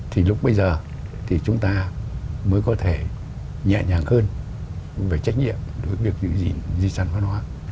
thì lúc bây giờ thì chúng ta mới có thể nhẹ nhàng hơn về trách nhiệm đối với việc giữ gìn di sản văn hóa